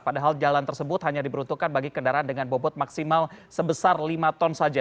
padahal jalan tersebut hanya diperuntukkan bagi kendaraan dengan bobot maksimal sebesar lima ton saja